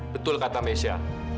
betul kata mesya